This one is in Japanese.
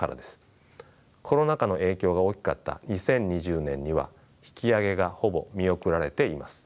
コロナ禍の影響が大きかった２０２０年には引き上げがほぼ見送られています。